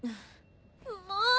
もう！